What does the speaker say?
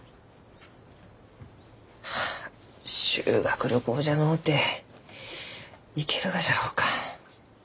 はあ修学旅行じゃのうて行けるがじゃろうか？